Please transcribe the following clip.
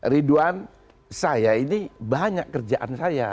ridwan saya ini banyak kerjaan saya